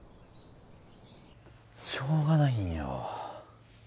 しょうがないんよ